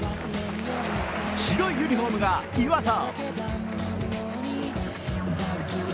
白いユニフォームが岩田。